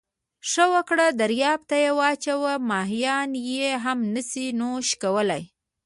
ښه وکړه درياب ته یې واچوه، ماهيان يې هم نسي نوش کولای.